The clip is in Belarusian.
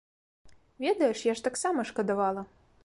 Ведаеш, я ж таксама шкадавала.